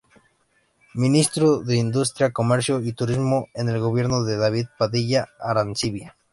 Ministro de Industria, Comercio y Turismo en el Gobierno de David Padilla Arancibia.